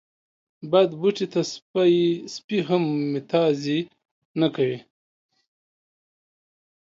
بد بوټي ته سپي هم متازې نه کوی